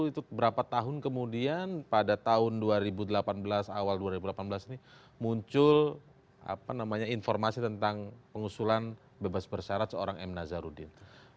itu berapa tahun kemudian pada tahun dua ribu delapan belas awal dua ribu delapan belas ini muncul informasi tentang pengusulan bebas bersyarat seorang m nazarudin